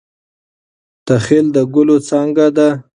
تخیل د ګلو څانګه ده.